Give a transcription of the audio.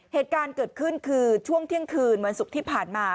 เหตุการณ์เกิดขึ้นคือช่วงเที่ยงคืนวันศุกร์ที่ผ่านมา